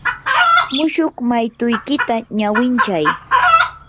mushuq maytuykita ñawinchay.